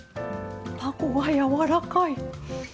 たこ、やわらかい。